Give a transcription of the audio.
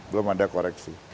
belum ada koreksi